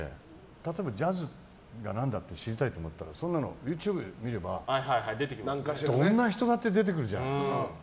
例えば、ジャズが何だって知りたいって思ったらそんなのＹｏｕＴｕｂｅ見ればどんな人だって出てくるじゃない？